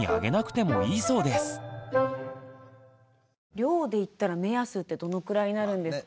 量でいったら目安ってどのくらいになるんですか？